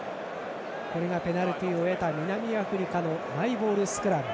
ペナルティーを得た南アフリカのマイボールスクラム。